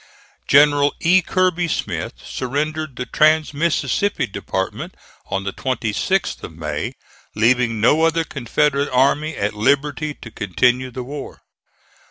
General E. Kirby Smith surrendered the trans Mississippi department on the 26th of May, leaving no other Confederate army at liberty to continue the war.